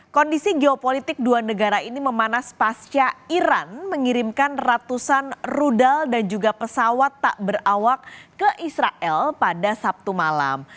kondisi geopolitik dua negara ini memanas pasca iran mengirimkan ratusan rudal dan juga pesawat tak berawak ke israel pada sabtu malam